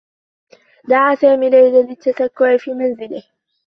دعى سامي ليلى للتّسكّع في منزله.